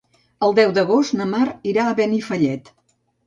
El deu d'agost na Mar irà a Benifallet.